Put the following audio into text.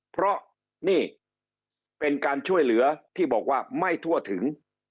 เพราะนี่เป็นการช่วยเหลือที่บอกว่าไม่ทั่วถึง